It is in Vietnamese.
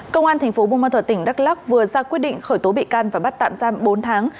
công an thành phố bùn ma thuật tỉnh đắk lắc vừa ra quyết định khởi tố bị can và bắt tạm giam bốn tháng